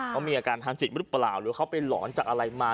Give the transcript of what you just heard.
เขามีอาการทางจิตหรือเปล่าหรือเขาไปหลอนจากอะไรมา